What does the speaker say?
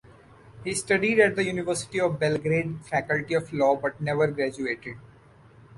He studied at the University of Belgrade Faculty of Law but never graduated.